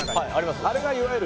あれがいわゆる。